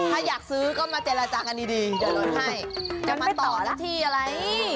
ถ้าอยากซื้อก็มาเจรจากันดีเดินรถให้